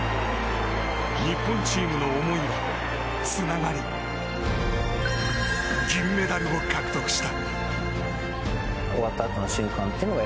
日本チームの思いはつながり銀メダルを獲得した。